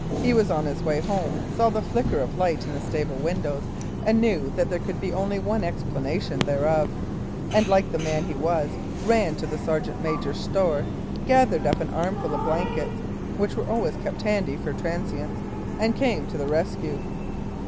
He was on his way home, saw the flicker of light in the stable windows, and knew that there could be only one explanation thereof, and like the man he was, ran to the sergeant major's store, gathered up an armful of blankets (which were always kept handy for transients) and came to the rescue.